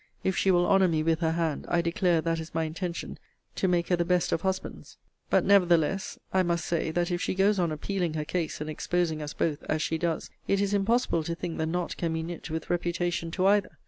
If she will honour me with her hand, I declare that is my intention to make her the best of husbands. But, nevertheless, I must say that if she goes on appealing her case, and exposing us both, as she does, it is impossible to think the knot can be knit with reputation to either.